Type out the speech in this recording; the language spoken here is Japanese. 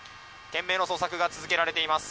懸命の捜索が続けられています。